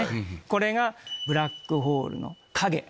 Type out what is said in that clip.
これがブラックホールの影。